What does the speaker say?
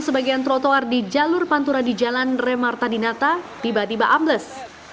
sebagian trotoar di jalur panturan di jalan rem marta dinata tiba tiba ambles